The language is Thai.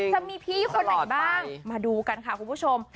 จะมีพี่คนไหนบ้างมาดูกันค่ะคุณผู้ชม